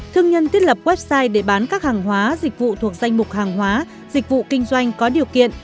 thương nhân thiết lập website để bán các hàng hóa dịch vụ thuộc danh mục hàng hóa dịch vụ kinh doanh có điều kiện